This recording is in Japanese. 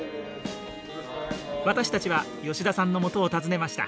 私たちは吉田さんのもとを訪ねました。